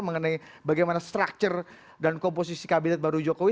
mengenai bagaimana structure dan komposisi kabinet baru jokowi